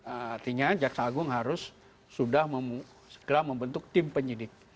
artinya jaksa agung harus sudah segera membentuk tim penyidik